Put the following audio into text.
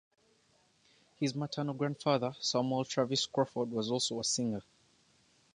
His maternal grandfather, Samuel Travis Crawford, was also a singer.